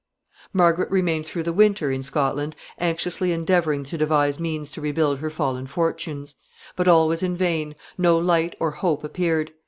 ] Margaret remained through the winter in Scotland, anxiously endeavoring to devise means to rebuild her fallen fortunes. But all was in vain; no light or hope appeared.